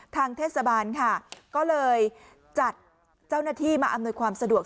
ทางเทศบาลค่ะก็เลยจัดเจ้าหน้าที่มาอำนวยความสะดวก